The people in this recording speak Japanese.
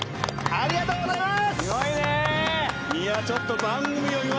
ありがとうございます。